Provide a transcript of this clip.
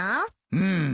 うん。